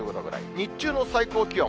日中の最高気温。